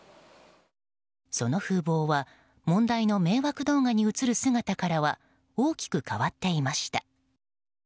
その風貌は問題の迷惑動画に映る姿からは大きく変わっていました。